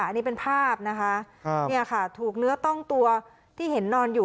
อันนี้เป็นภาพนะคะเนี่ยค่ะถูกเนื้อต้องตัวที่เห็นนอนอยู่